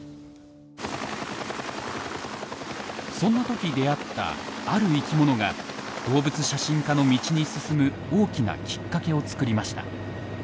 そんな時出会ったある生きものが動物写真家の道に進む大きなきっかけを作りました。